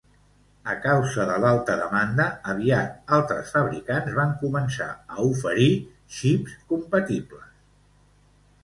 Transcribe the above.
A causa de l'alta demanda, aviat altres fabricants van començar a oferir xips compatibles.